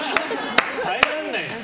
耐えられないんですか。